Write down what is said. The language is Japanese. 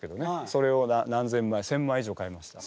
それを何千枚１，０００枚以上買いました。